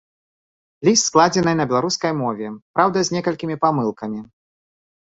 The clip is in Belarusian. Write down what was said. Ліст складзены на беларускай мове, праўда, з некалькімі памылкамі.